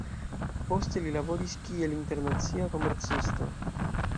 Poste li laboris kiel internacia komercisto.